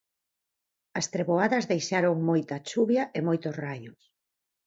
As treboadas deixaron moita chuvia e moitos raios.